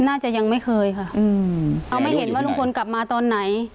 น่าจะยังไม่เคยค่ะเอาไม่เห็นว่าลุงพลกลับมาตอนไหน